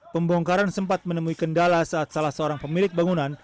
pembongkaran sempat menemui kendala saat salah seorang pemilik bangunan